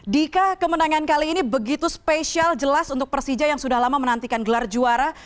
dika kemenangan kali ini begitu spesial jelas untuk persija yang sudah lama menantikan gelar juara